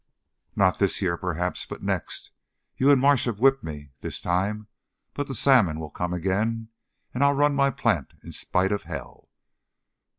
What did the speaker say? "Not this year perhaps, but next. You and Marsh have whipped me this time; but the salmon will come again, and I'll run my plant in spite of hell!"